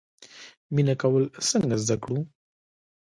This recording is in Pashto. مینه کول څنګه زده کړو؟